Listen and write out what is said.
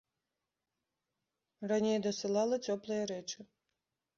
Раней дасылала цёплыя рэчы.